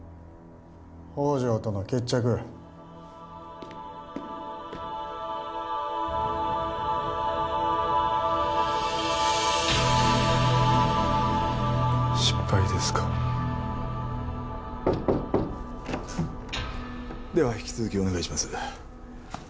宝条との決着失敗ですかでは引き続きお願いします